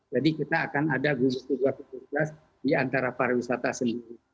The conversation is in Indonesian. jadi kita akan ada gipi dua ratus tujuh belas di antara pariwisata sendiri